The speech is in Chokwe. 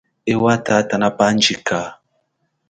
Ewa tata na pandjika.